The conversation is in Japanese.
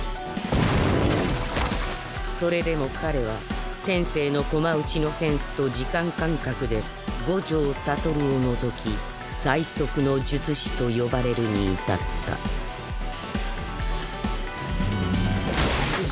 それでも彼は天性のコマ打ちのセンスと時間感覚で五条悟を除き最速の術師と呼ばれるに至ったぬぅ。